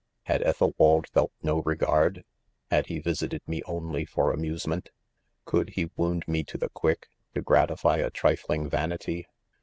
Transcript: Had Ethelwald felt no regard V — had he visited me only for amusement'? Could lie wound me to the quick,.to gratify a trifling vanity?